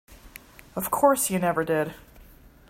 Of course you never did.